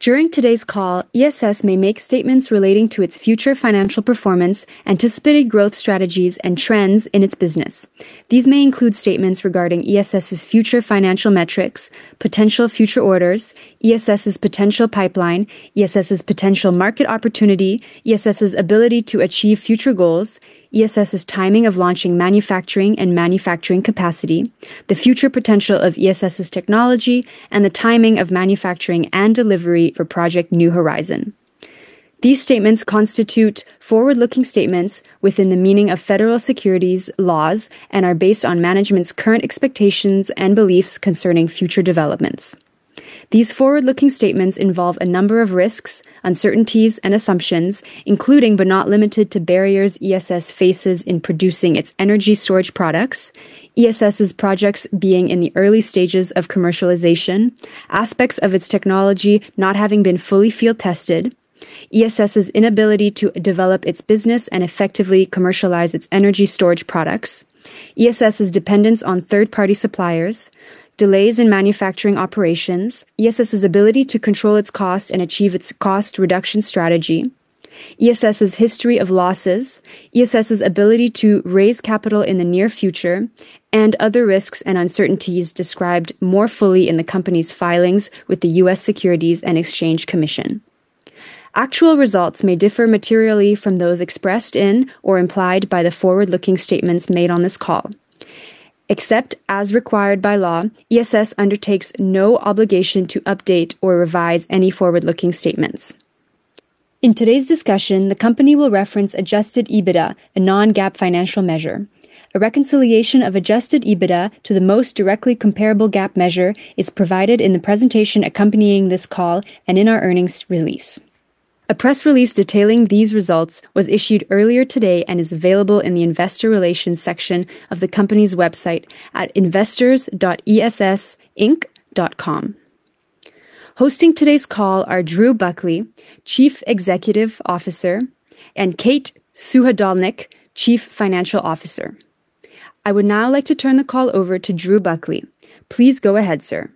During today's call, ESS may make statements relating to its future financial performance, anticipated growth strategies, and trends in its business. These may include statements regarding ESS's future financial metrics, potential future orders, ESS's potential pipeline, ESS's potential market opportunity, ESS's ability to achieve future goals, ESS's timing of launching manufacturing and manufacturing capacity, the future potential of ESS's technology, and the timing of manufacturing and delivery for Project New Horizon. These statements constitute forward-looking statements within the meaning of federal securities laws and are based on management's current expectations and beliefs concerning future developments. These forward-looking statements involve a number of risks, uncertainties, and assumptions, including but not limited to barriers ESS faces in producing its energy storage products, ESS's projects being in the early stages of commercialization, aspects of its technology not having been fully field-tested, ESS's inability to develop its business and effectively commercialize its energy storage products, ESS's dependence on third-party suppliers, delays in manufacturing operations, ESS's ability to control its cost and achieve its cost reduction strategy, ESS's history of losses, ESS's ability to raise capital in the near future, and other risks and uncertainties described more fully in the company's filings with the U.S. Securities and Exchange Commission. Actual results may differ materially from those expressed in or implied by the forward-looking statements made on this call. Except as required by law, ESS undertakes no obligation to update or revise any forward-looking statements. In today's discussion, the company will reference adjusted EBITDA, a non-GAAP financial measure. A reconciliation of adjusted EBITDA to the most directly comparable GAAP measure is provided in the presentation accompanying this call and in our earnings release. A press release detailing these results was issued earlier today and is available in the investor relations section of the company's website at investors.essinc.com. Hosting today's call are Drew Buckley, Chief Executive Officer, and Kate Suhadolnik, Chief Financial Officer. I would now like to turn the call over to Drew Buckley. Please go ahead, sir.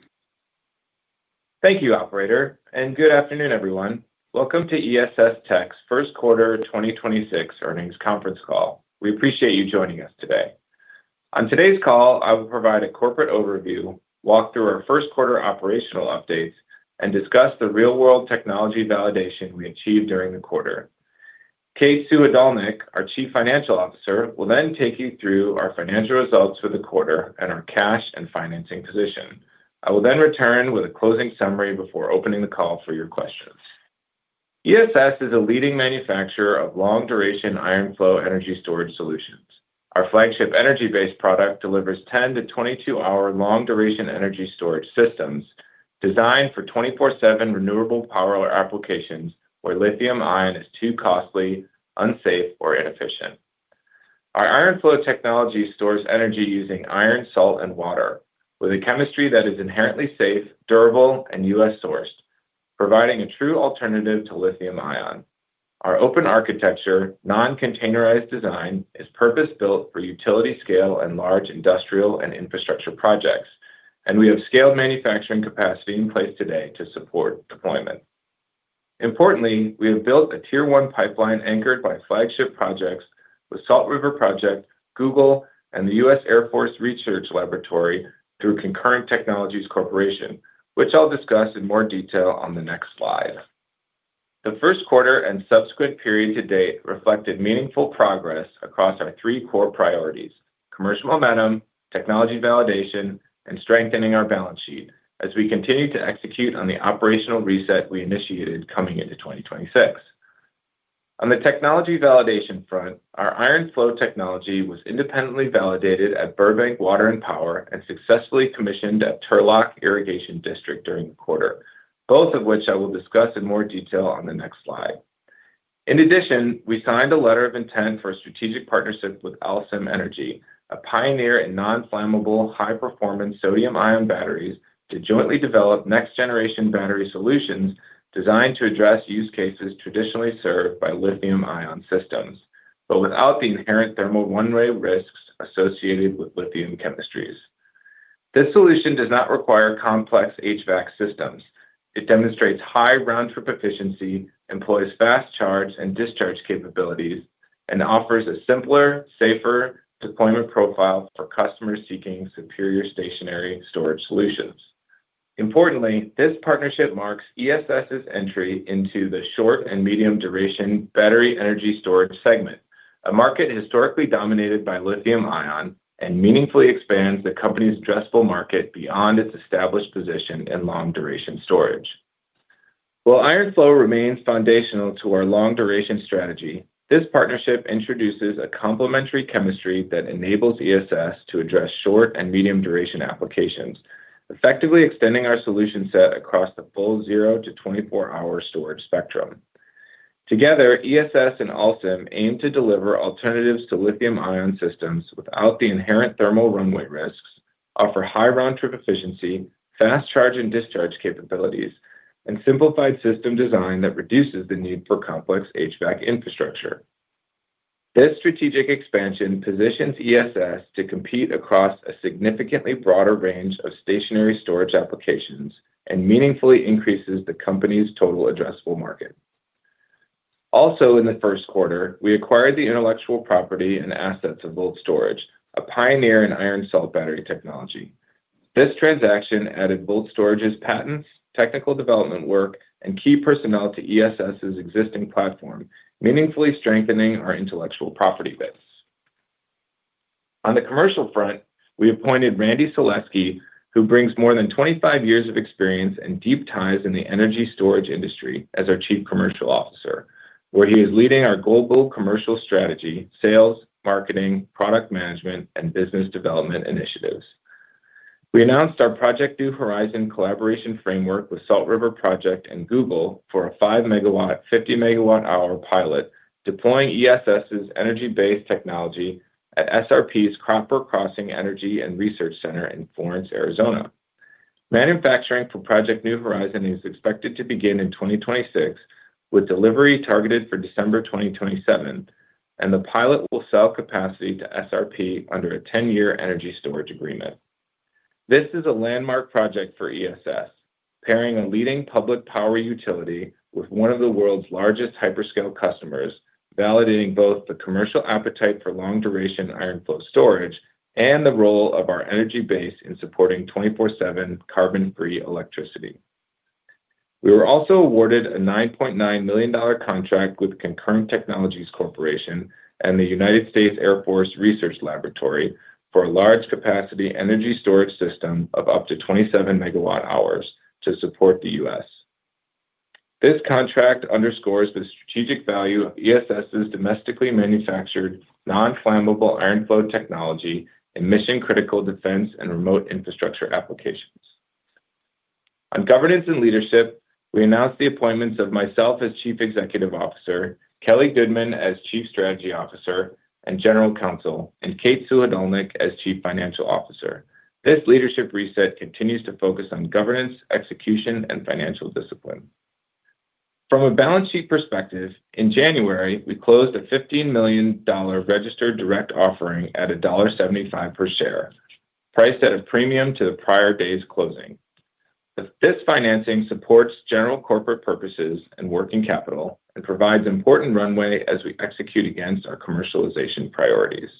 Thank you, operator. Good afternoon, everyone. Welcome to ESS Tech's first quarter 2026 earnings conference call. We appreciate you joining us today. On today's call, I will provide a corporate overview, walk through our first quarter operational updates, and discuss the real-world technology validation we achieved during the quarter. Kate Suhadolnik, our Chief Financial Officer, will then take you through our financial results for the quarter and our cash and financing position. I will then return with a closing summary before opening the call for your questions. ESS is a leading manufacturer of long-duration iron flow energy storage solutions. Our flagship Energy Base product delivers 10 to 22-hour long-duration energy storage systems designed for 24/7 renewable power applications where lithium-ion is too costly, unsafe, or inefficient. Our iron flow technology stores energy using iron, salt, and water with a chemistry that is inherently safe, durable, and U.S.-sourced, providing a true alternative to lithium-ion. Our open architecture, non-containerized design is purpose-built for utility scale and large industrial and infrastructure projects, we have scaled manufacturing capacity in place today to support deployment. Importantly, we have built a tier 1 pipeline anchored by flagship projects with Salt River Project, Google, and the U.S. Air Force Research Laboratory through Concurrent Technologies Corporation, which I'll discuss in more detail on the next slide. The first quarter and subsequent period to date reflected meaningful progress across our 3 core priorities: commercial momentum, technology validation, and strengthening our balance sheet as we continue to execute on the operational reset we initiated coming into 2026. On the technology validation front, our iron flow technology was independently validated at Burbank Water and Power and successfully commissioned at Turlock Irrigation District during the quarter, both of which I will discuss in more detail on the next slide. In addition, we signed a letter of intent for a strategic partnership with Alsym Energy, a pioneer in non-flammable, high-performance sodium-ion batteries to jointly develop next-generation battery solutions designed to address use cases traditionally served by lithium-ion systems, but without the inherent thermal runaway risks associated with lithium chemistries. This solution does not require complex HVAC systems. It demonstrates high round-trip efficiency, employs fast charge and discharge capabilities, and offers a simpler, safer deployment profile for customers seeking superior stationary storage solutions. Importantly, this partnership marks ESS's entry into the short and medium duration battery energy storage segment, a market historically dominated by lithium-ion and meaningfully expands the company's addressable market beyond its established position in long-duration storage. While iron flow remains foundational to our long-duration strategy, this partnership introduces a complementary chemistry that enables ESS to address short and medium duration applications, effectively extending our solution set across the full zero to 24-hour storage spectrum. Together, ESS and Alsym aim to deliver alternatives to lithium-ion systems without the inherent thermal runaway risks, offer high round-trip efficiency, fast charge and discharge capabilities, and simplified system design that reduces the need for complex HVAC infrastructure. This strategic expansion positions ESS to compete across a significantly broader range of stationary storage applications and meaningfully increases the company's total addressable market. Also, in the first quarter, we acquired the intellectual property and assets of VoltStorage, a pioneer in iron salt battery technology. This transaction added VoltStorage's patents, technical development work, and key personnel to ESS's existing platform, meaningfully strengthening our intellectual property base. On the commercial front, we appointed Randy Selesky, who brings more than 25 years of experience and deep ties in the energy storage industry as our Chief Commercial Officer, where he is leading our global commercial strategy, sales, marketing, product management, and business development initiatives. We announced our Project New Horizon collaboration framework with Salt River Project and Google for a 5 MW, 50 MWh pilot deploying ESS's Energy Base technology at SRP's Copper Crossing Energy and Research Center in Florence, Arizona. Manufacturing for Project New Horizon is expected to begin in 2026, with delivery targeted for December 2027. The pilot will sell capacity to SRP under a 10-year energy storage agreement. This is a landmark project for ESS, pairing a leading public power utility with one of the world's largest hyperscale customers, validating both the commercial appetite for long-duration iron flow storage and the role of our Energy Base in supporting 24/7 carbon-free electricity. We were also awarded a $9.9 million contract with Concurrent Technologies Corporation and the U.S. Air Force Research Laboratory for a large capacity energy storage system of up to 27 MWh to support the U.S. This contract underscores the strategic value of ESS's domestically manufactured, non-flammable iron flow technology in mission-critical defense and remote infrastructure applications. On governance and leadership, we announced the appointments of myself as Chief Executive Officer, Kelly Goodman as Chief Strategy Officer and General Counsel, and Kate Suhadolnik as Chief Financial Officer. This leadership reset continues to focus on governance, execution, and financial discipline. From a balance sheet perspective, in January, we closed a $15 million registered direct offering at $1.75 per share, priced at a premium to the prior day's closing. This financing supports general corporate purposes and working capital and provides important runway as we execute against our commercialization priorities.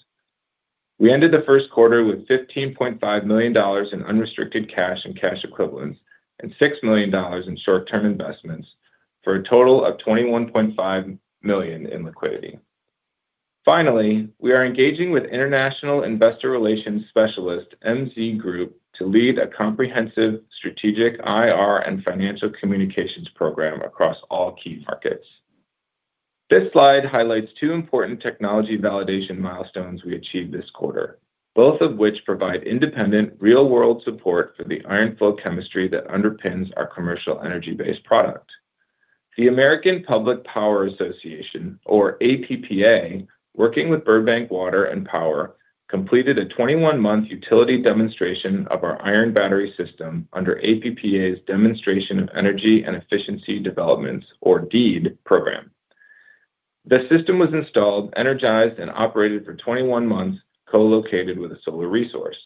We ended the first quarter with $15.5 million in unrestricted cash and cash equivalents and $6 million in short-term investments, for a total of $21.5 million in liquidity. Finally, we are engaging with international investor relations specialist MZ Group to lead a comprehensive strategic IR and financial communications program across all key markets. This slide highlights two important technology validation milestones we achieved this quarter, both of which provide independent real-world support for the iron flow chemistry that underpins our commercial Energy Base product. The American Public Power Association, or APPA, working with Burbank Water and Power, completed a 21-month utility demonstration of our iron battery system under APPA's Demonstration of Energy and Efficiency Developments, or DEED program. The system was installed, energized, and operated for 21 months, co-located with a solar resource.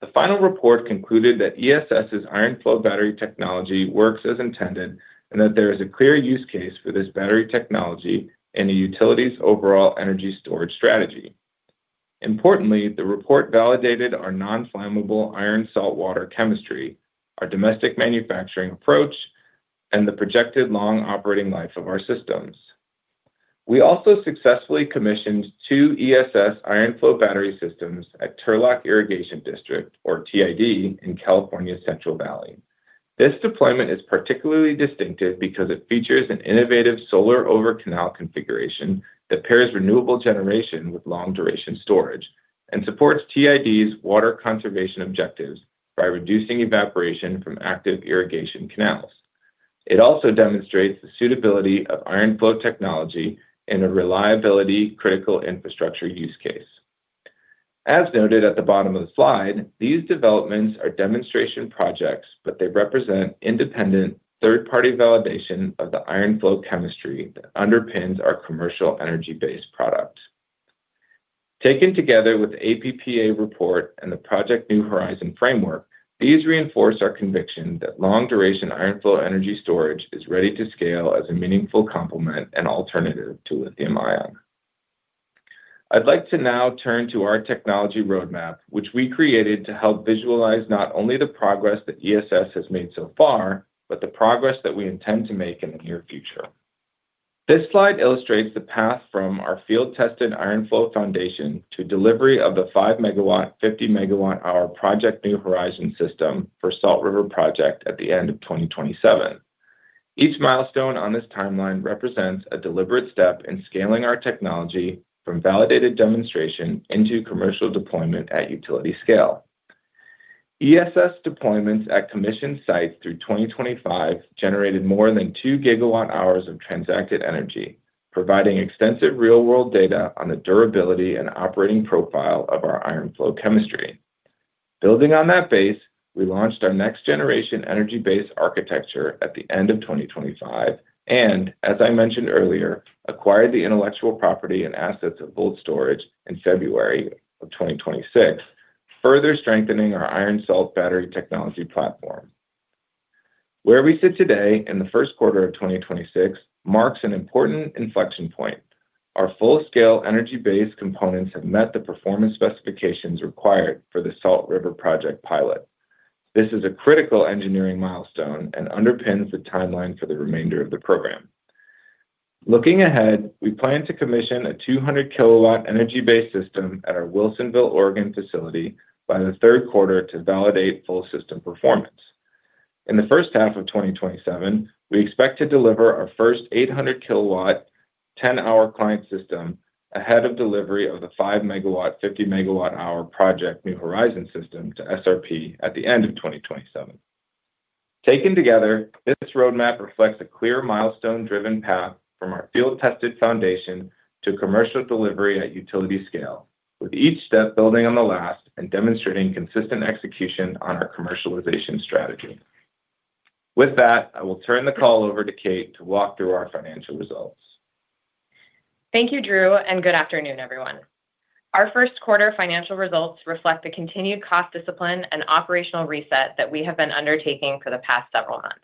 The final report concluded that ESS's iron flow battery technology works as intended and that there is a clear use case for this battery technology in the utility's overall energy storage strategy. Importantly, the report validated our non-flammable iron saltwater chemistry, our domestic manufacturing approach, and the projected long operating life of our systems. We also successfully commissioned two ESS iron flow battery systems at Turlock Irrigation District, or TID, in California's Central Valley. This deployment is particularly distinctive because it features an innovative solar over canal configuration that pairs renewable generation with long duration storage and supports TID's water conservation objectives by reducing evaporation from active irrigation canals. It also demonstrates the suitability of iron flow technology in a reliability critical infrastructure use case. As noted at the bottom of the slide, these developments are demonstration projects, but they represent independent third-party validation of the iron flow chemistry that underpins our commercial Energy Base product. Taken together with the APPA report and the Project New Horizon framework, these reinforce our conviction that long duration iron flow energy storage is ready to scale as a meaningful complement and alternative to lithium-ion. I'd like to now turn to our technology roadmap, which we created to help visualize not only the progress that ESS has made so far, but the progress that we intend to make in the near future. This slide illustrates the path from our field-tested iron flow foundation to delivery of the 5 MW, 50 MWh Project New Horizon system for Salt River Project at the end of 2027. Each milestone on this timeline represents a deliberate step in scaling our technology from validated demonstration into commercial deployment at utility scale. ESS deployments at commissioned sites through 2025 generated more than 2 GWh of transacted energy, providing extensive real-world data on the durability and operating profile of our iron flow chemistry. Building on that base, we launched our next generation Energy Base architecture at the end of 2025, and as I mentioned earlier, acquired the intellectual property and assets of VoltStorage in February of 2026, further strengthening our iron salt battery technology platform. Where we sit today in the first quarter of 2026 marks an important inflection point. Our full-scale Energy Base components have met the performance specifications required for the Salt River Project pilot. This is a critical engineering milestone and underpins the timeline for the remainder of the program. Looking ahead, we plan to commission a 200 kW Energy Base system at our Wilsonville, Oregon facility by the third quarter to validate full system performance. In the first half of 2027, we expect to deliver our first 800 kW 10-hour client system ahead of delivery of the 5 MW 50 MWh Project New Horizon system to SRP at the end of 2027. Taken together, this roadmap reflects a clear milestone-driven path from our field-tested foundation to commercial delivery at utility scale, with each step building on the last and demonstrating consistent execution on our commercialization strategy. With that, I will turn the call over to Kate to walk through our financial results. Thank you, Drew, and good afternoon, everyone. Our first quarter financial results reflect the continued cost discipline and operational reset that we have been undertaking for the past several months.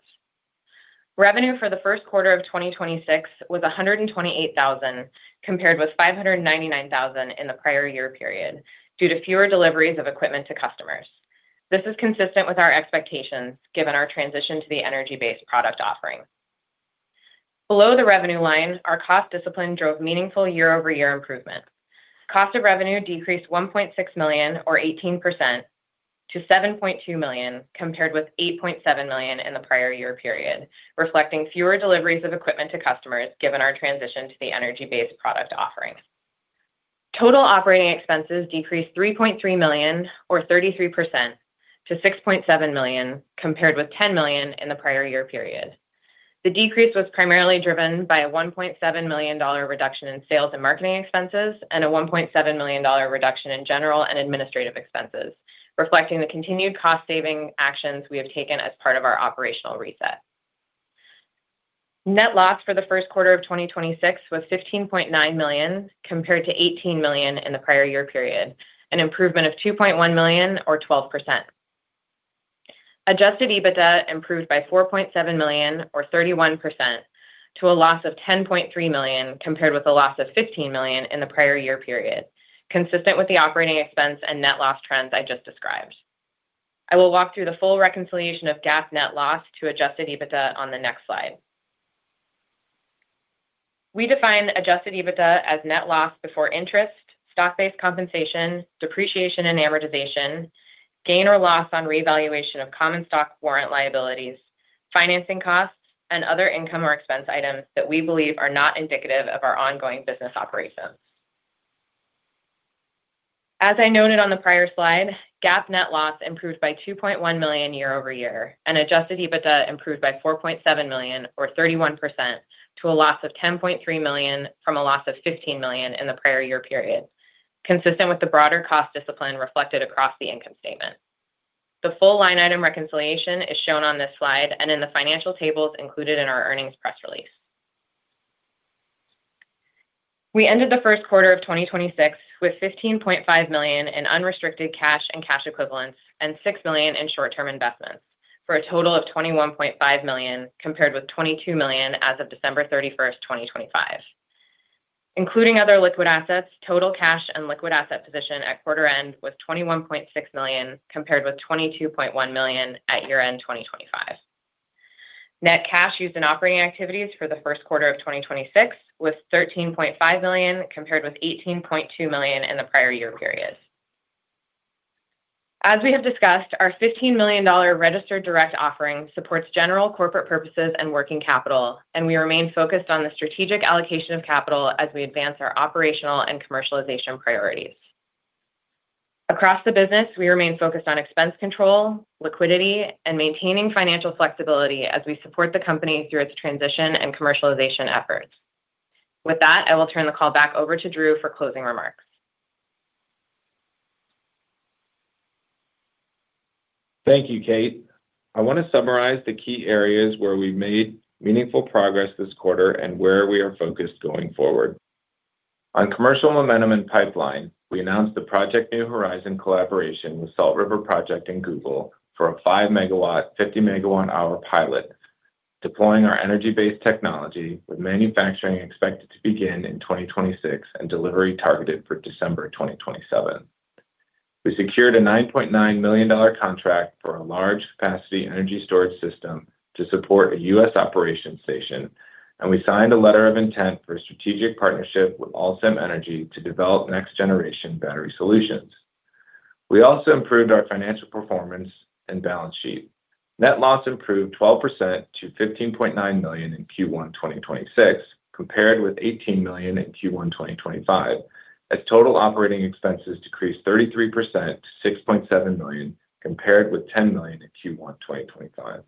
Revenue for the first quarter of 2026 was $128,000 compared with $599,000 in the prior year period, due to fewer deliveries of equipment to customers. This is consistent with our expectations given our transition to the Energy Base product offering. Below the revenue line, our cost discipline drove meaningful year-over-year improvement. Cost of revenue decreased $1.6 million or 18% to $7.2 million compared with $8.7 million in the prior year period, reflecting fewer deliveries of equipment to customers given our transition to the Energy Base product offering. Total operating expenses decreased $3.3 million or 33% to $6.7 million compared with $10 million in the prior year period. The decrease was primarily driven by a $1.7 million reduction in sales and marketing expenses and a $1.7 million reduction in general and administrative expenses, reflecting the continued cost saving actions we have taken as part of our operational reset. Net loss for the first quarter of 2026 was $15.9 million compared to $18 million in the prior year period, an improvement of $2.1 million or 12%. Adjusted EBITDA improved by $4.7 million or 31% to a loss of $10.3 million compared with a loss of $15 million in the prior year period, consistent with the operating expense and net loss trends I just described. I will walk through the full reconciliation of GAAP net loss to adjusted EBITDA on the next slide. We define adjusted EBITDA as net loss before interest, stock-based compensation, depreciation and amortization, gain or loss on revaluation of common stock warrant liabilities, financing costs, and other income or expense items that we believe are not indicative of our ongoing business operations. As I noted on the prior slide, GAAP net loss improved by $2.1 million year-over-year, and adjusted EBITDA improved by $4.7 million or 31% to a loss of $10.3 million from a loss of $15 million in the prior year period, consistent with the broader cost discipline reflected across the income statement. The full line item reconciliation is shown on this slide and in the financial tables included in our earnings press release. We ended the first quarter of 2026 with $15.5 million in unrestricted cash and cash equivalents and $6 million in short-term investments for a total of $21.5 million compared with $22 million as of December 31, 2025. Including other liquid assets, total cash and liquid asset position at quarter end was $21.6 million compared with $22.1 million at year-end 2025. Net cash used in operating activities for the first quarter of 2026 was $13.5 million compared with $18.2 million in the prior year period. As we have discussed, our $15 million registered direct offering supports general corporate purposes and working capital, and we remain focused on the strategic allocation of capital as we advance our operational and commercialization priorities. Across the business, we remain focused on expense control, liquidity, and maintaining financial flexibility as we support the company through its transition and commercialization efforts. With that, I will turn the call back over to Drew for closing remarks. Thank you, Kate. I want to summarize the key areas where we've made meaningful progress this quarter and where we are focused going forward. On commercial momentum and pipeline, we announced the Project New Horizon collaboration with Salt River Project and Google for a 5 MW, 50 MWh pilot, deploying our Energy Base technology with manufacturing expected to begin in 2026 and delivery targeted for December 2027. We secured a $9.9 million contract for a large capacity energy storage system to support a U.S. operations station, and we signed a letter of intent for a strategic partnership with Alsym Energy to develop next generation battery solutions. We also improved our financial performance and balance sheet. Net loss improved 12% to $15.9 million in Q1 2026, compared with $18 million in Q1 2025, as total operating expenses decreased 33% to $6.7 million, compared with $10 million in Q1 2025.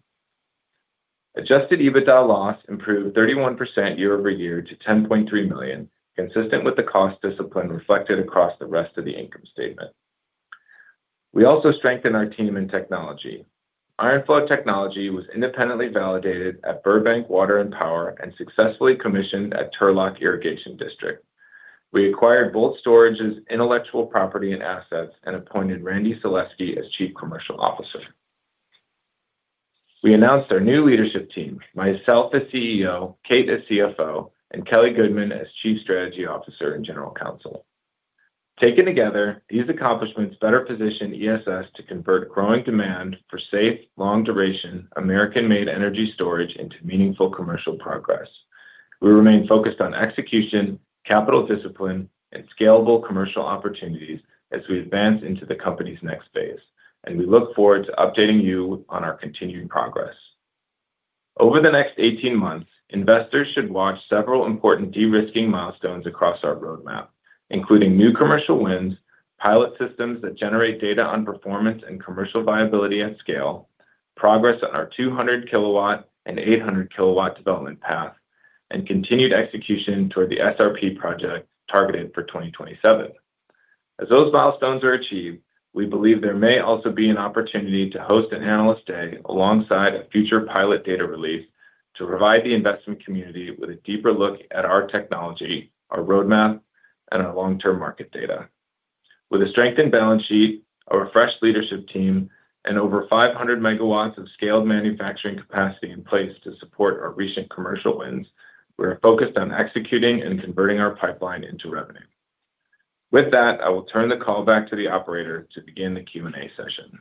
Adjusted EBITDA loss improved 31% year over year to $10.3 million, consistent with the cost discipline reflected across the rest of the income statement. We also strengthened our team in technology. iron flow technology was independently validated at Burbank Water and Power and successfully commissioned at Turlock Irrigation District. We acquired VoltStorage's intellectual property and assets and appointed Randy Selesky as Chief Commercial Officer. We announced our new leadership team, myself as CEO, Kate as CFO, and Kelly Goodman as Chief Strategy Officer and General Counsel. Taken together, these accomplishments better position ESS to convert growing demand for safe, long-duration American-made energy storage into meaningful commercial progress. We remain focused on execution, capital discipline, and scalable commercial opportunities as we advance into the company's next phase, and we look forward to updating you on our continuing progress. Over the next 18 months, investors should watch several important de-risking milestones across our roadmap, including new commercial wins, pilot systems that generate data on performance and commercial viability at scale, progress on our 200 kW and 800 kW development path, and continued execution toward the SRP project targeted for 2027. As those milestones are achieved, we believe there may also be an opportunity to host an analyst day alongside a future pilot data release to provide the investment community with a deeper look at our technology, our roadmap, and our long-term market data. With a strengthened balance sheet, a refreshed leadership team, and over 500 MW of scaled manufacturing capacity in place to support our recent commercial wins, we are focused on executing and converting our pipeline into revenue. With that, I will turn the call back to the operator to begin the Q&A session.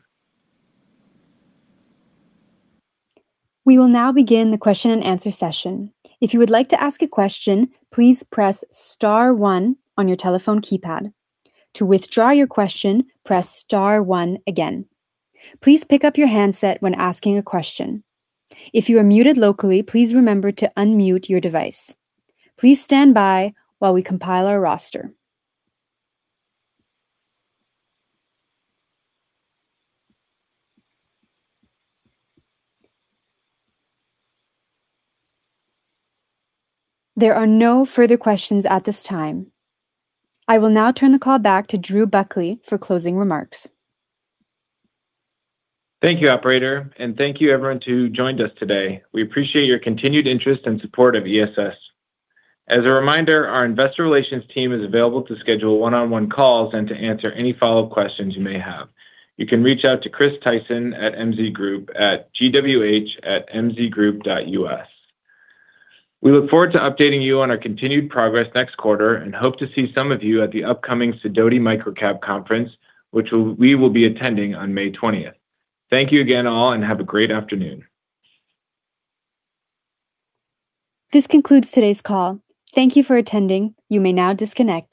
I will now turn the call back to Drew Buckley for closing remarks. Thank you, operator, and thank you everyone who joined us today. We appreciate your continued interest and support of ESS. As a reminder, our investor relations team is available to schedule one-on-one calls and to answer any follow-up questions you may have. You can reach out to Chris Tyson at MZ Group at gwh@mzgroup.us. We look forward to updating you on our continued progress next quarter and hope to see some of you at the upcoming Sidoti Micro-Cap Conference, which we will be attending on May 20th. Thank you again, all, and have a great afternoon. This concludes today's call. Thank you for attending. You may now disconnect.